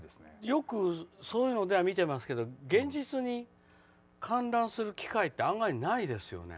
よく、そういうのでは見ていますけど、現実に観覧する機会って案外ないですよね。